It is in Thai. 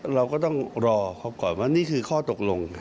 เราก็ต้องรอเขาก่อนว่านี่คือข้อตกลง